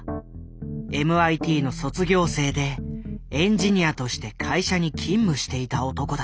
ＭＩＴの卒業生でエンジニアとして会社に勤務していた男だ。